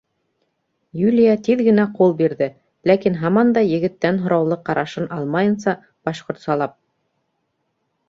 Юлия тиҙ генә ҡул бирҙе, ләкин һаман да егеттән һораулы ҡарашын алмайынса, башҡортсалап: